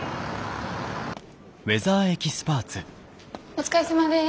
お疲れさまです。